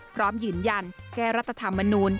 พร้อมยืนยันแก้รัฐธรรมนูล